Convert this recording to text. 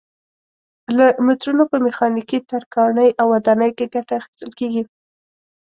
له مترونو په میخانیکي، ترکاڼۍ او ودانیو کې ګټه اخیستل کېږي.